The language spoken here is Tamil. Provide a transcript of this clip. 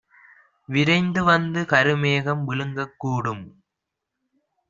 விரைந்துவந்து கருமேகம் விழுங்கக் கூடும்!